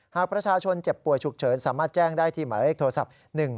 หากประชาชนเจ็บป่วยฉุกเฉินสามารถแจ้งได้ที่หมายเลขโทรศัพท์